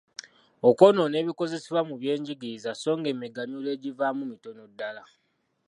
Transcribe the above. Okwonoona ebikozesebwa mu by’enjigiriza sso ng’emiganyulo egivaamu mitono ddala.